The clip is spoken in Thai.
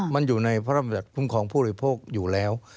มันอยู่ในพระราบิจัตริย์คุ้มครองผู้โดยโภคอยู่แล้ว